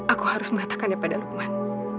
aku harus mengatakannya pada lukman